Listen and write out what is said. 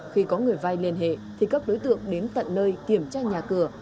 khi có người vay liên hệ thì các đối tượng đến tận nơi kiểm tra nhà cửa